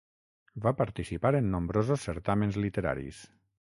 Va participar en nombrosos certàmens literaris.